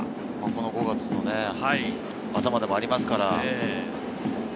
この５月の頭でもありますから。